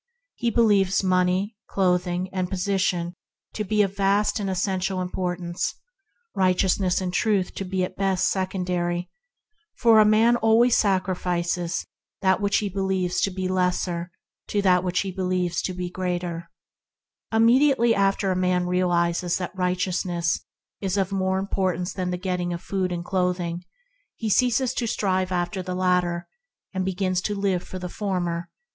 He believes money, clothing, and position to be of vast and essential importance, righteousness and truth to be COMPETITIVE LAWS AND LAW OF LOVE 37 at best secondary; for a man sacrifices what he believes to be less to what he believes to be greater. Immediately a man realizes that righteousness is of more importance than the getting of food and clothing, he ceases to strive after the latter, and begins to live for the former.